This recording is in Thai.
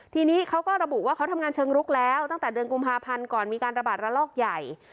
ทีนี้เขาก็ระบุว่าเขาทำงานเชิงรุกแล้วตั้งแต่เดือนกุมภาพันธ์ก่อนมีการระบาดระลอกใหญ่